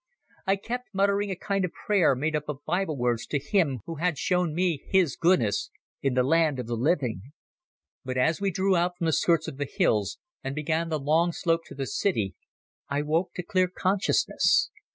I kept muttering a kind of prayer made up of Bible words to Him who had shown me His goodness in the land of the living. But as we drew out from the skirts of the hills and began the long slope to the city, I woke to clear consciousness.